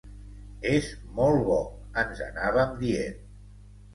«És molt bo», ens anàvem dient.